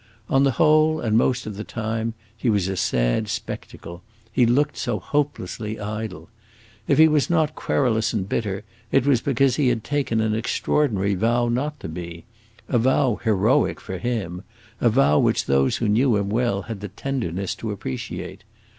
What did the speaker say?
On the whole, and most of the time, he was a sad spectacle; he looked so hopelessly idle. If he was not querulous and bitter, it was because he had taken an extraordinary vow not to be; a vow heroic, for him, a vow which those who knew him well had the tenderness to appreciate.